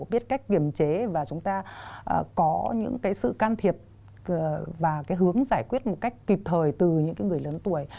biết cách kiểm chế và chúng ta có những cái sự can thiệp và cái hướng giải quyết một cách kịp thời từ những cái người lớn tuổi